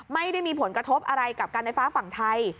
ไม่ได้มีผลกระทบอะไรกับการไฟฟ้าฝั่งไทย